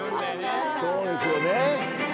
そうですよね。